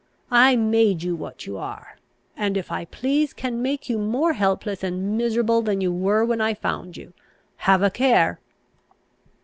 I made you what you are; and, if I please, can make you more helpless and miserable than you were when I found you. Have a care!"